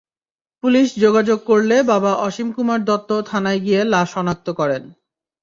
Police যোগাযোগ করলে বাবা অসীম কুমার দত্ত থানায় গিয়ে লাশ শনাক্ত করেন।